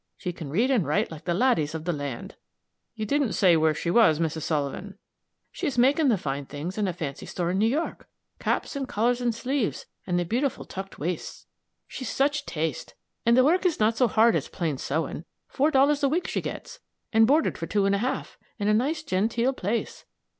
She can read and write like the ladies of the land." "You didn't say where she was, Mrs. Sullivan." "She's making the fine things in a fancy store in New York caps and collars and sleeves and the beautiful tucked waists she's such taste, and the work is not so hard as plain sewing four dollars a week she gets, and boarded for two and a half, in a nice, genteel place.